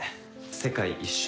世界一周